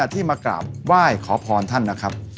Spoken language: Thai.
ที่มากราบไหว้ขอพรท่านนะครับ